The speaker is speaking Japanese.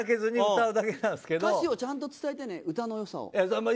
歌詞をちゃんと伝えてね歌のよさを。